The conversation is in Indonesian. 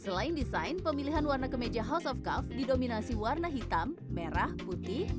selain desain pemilihan warna kemeja house of cuff didominasi warna hitam merah putih